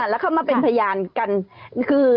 แล้วเขามาเป็นพยานกันคือ